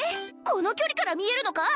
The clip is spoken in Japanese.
この距離から見えるのか？